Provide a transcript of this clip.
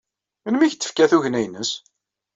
Melmi ay ak-d-tefka tugna-nnes?